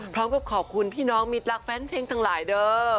พร้อมกับขอบคุณพี่น้องมิดรักแฟนเพลงทั้งหลายเด้อ